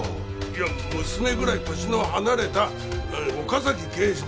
いや娘ぐらい年の離れた岡崎警視の事だ。